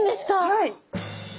はい。